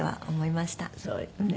そうよね。